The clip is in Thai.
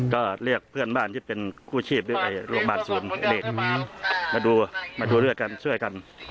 ก็เรียกเพื่อนบ้านที่เป็นกู้ชีพหรือโรงพยาบาลศูนย์เด็กมาดูมาดูเลือดกันช่วยกัน